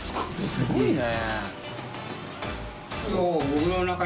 すごいね。